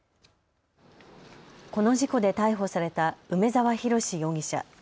この事故で逮捕された梅澤洋容疑者。